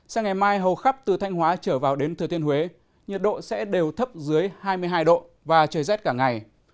sáng ngày mai hầu khắp từ thanh hóa trở vào đến thừa thiên huế nhiệt độ sẽ đều thấp dưới hai mươi hai độ và trời rét cả ngày